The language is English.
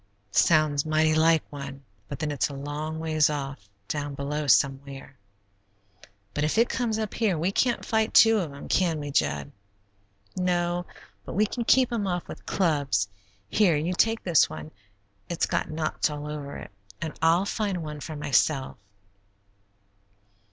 "Sounds mighty like one, but then it's a long ways off, down below somewhere." "But if it comes up here, we can't fight two of 'em, can we, Jud?" "No, but we can keep 'em off with clubs. Here, you take this one; it's got knots all over it; and I'll find one for myself.